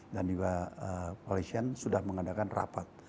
dan juga polri sian sudah mengadakan rapat